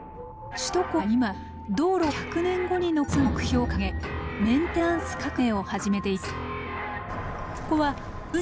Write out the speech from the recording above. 首都高は今道路を１００年後に残す目標を掲げメンテナンス革命を始めています。